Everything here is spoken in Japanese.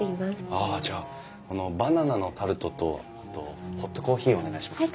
ああじゃあこのバナナのタルトとあとホットコーヒーをお願いします。